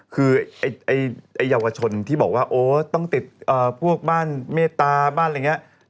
คือเยาวชนที่บอกว่าโอ้ต้องติดพวกบ้านเมตตาบ้านอะไรอย่างนี้